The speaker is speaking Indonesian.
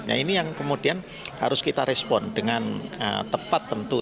nah ini yang kemudian harus kita respon dengan tepat tentu